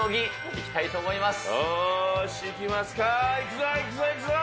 いきます。